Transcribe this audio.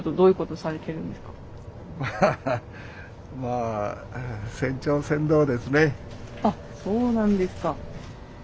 あっそうなんですか。